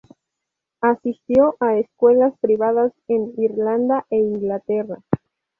Asistió a escuelas privadas en Irlanda e Inglaterra.